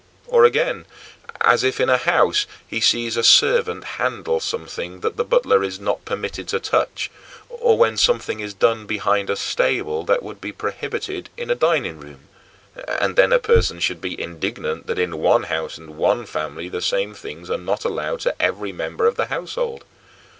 Or, again, as if, in a house, he sees a servant handle something that the butler is not permitted to touch, or when something is done behind a stable that would be prohibited in a dining room, and then a person should be indignant that in one house and one family the same things are not allowed to every member of the household.